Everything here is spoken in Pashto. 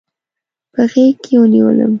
په غېږ کې ونیولم.